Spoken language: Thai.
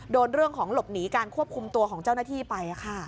เรื่องของหลบหนีการควบคุมตัวของเจ้าหน้าที่ไป